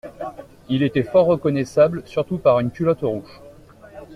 Il était fort reconnaissable, surtout par une culotte rouge.